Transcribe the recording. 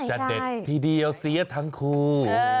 จะเด็ดทีดีเอาเสียทั้งครู